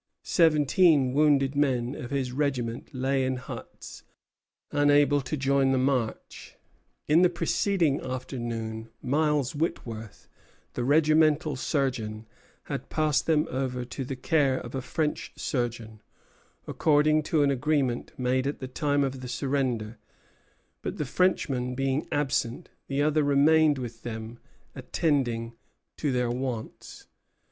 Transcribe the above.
Seventeen wounded men of his regiment lay in huts, unable to join the march. In the preceding afternoon Miles Whitworth, the regimental surgeon, had passed them over to the care of a French surgeon, according to an agreement made at the time of the surrender; but, the Frenchman being absent, the other remained with them attending to their wants.